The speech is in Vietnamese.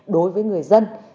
đối với người dân